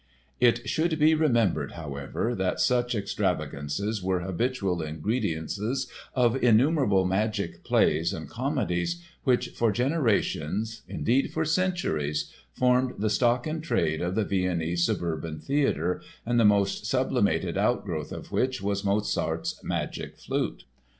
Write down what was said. It should be remembered, however, that such extravagances were habitual ingredients of innumerable "magic" plays and comedies which for generations, indeed for centuries, formed the stock in trade of the Viennese suburban theatre and the most sublimated outgrowth of which was Mozart's Magic Flute.